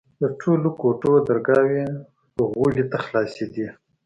د ټولو کوټو درگاوې غولي ته خلاصېدې.